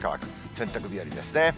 洗濯日和ですね。